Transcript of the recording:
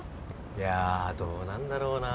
いやどうなんだろうな